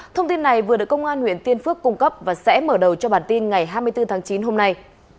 thông tin này vừa được công an huyện tiên phước cung cấp và sẽ mở đầu cho bản tin ngày hai mươi bốn tháng chín hôm nay